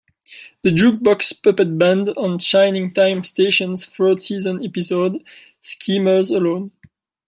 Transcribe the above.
The Jukebox Puppet Band on Shining Time Station's third season episode "Schemer's Alone".